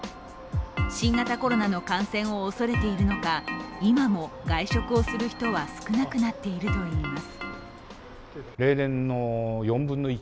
新型コロナの感染を恐れているのか、今も外食をする人は少なくなっているといいます。